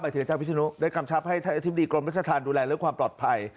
หมายถึงอาจารย์วิศนุได้กำชับให้อธิบดีกรมรัฐศาลดูแลและความปลอดภัย